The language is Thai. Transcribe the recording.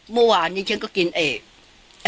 เมื่อวานนี้ฉันก็กินเอก